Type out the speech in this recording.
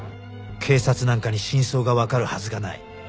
警察なんかに真相がわかるはずがない